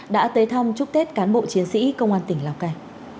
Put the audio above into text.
đã tới thăm chúc tết cán bộ chiến sĩ công an tỉnh lào cai